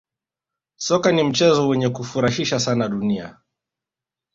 Soka ni mchezo wenye kufurahisha sana dunia